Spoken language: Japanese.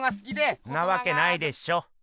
んなわけないでしょ！